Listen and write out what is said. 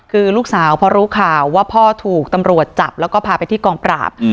คือลูกสาวพอรู้ข่าวว่าพ่อถูกตำรวจจับแล้วก็พาไปที่กองปราบ